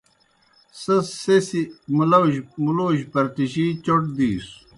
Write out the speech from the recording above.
سہ سیْ مُلوجیْ پرٹِجِی چوْٹ دِیسوْ۔